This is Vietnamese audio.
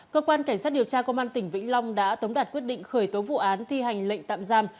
cơ quan cảnh sát điều tra công an tỉnh vĩnh long đã tống đạt quyết định khởi tố vụ án thi hành lệnh tạm giam